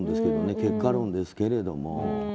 結果論ですけれども。